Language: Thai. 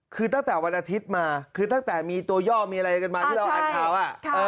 คือตั้งแต่วันอาทิตย์มาคือตั้งแต่มีตัวย่อมีอะไรกันมาที่เราอ่านข่าว